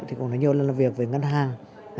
thì cũng nói nhiều lần làm việc về ngân hàng